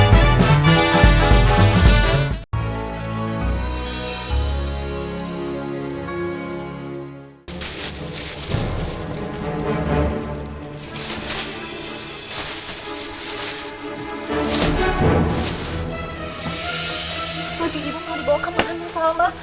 taju ibu mau dibawa kemana salma